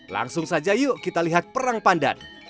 langsung saja yuk kita lihat perang pandan